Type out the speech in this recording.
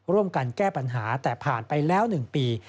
ร่วมกันแก้ปัญหาแต่ผ่านไปแล้ว๑ปี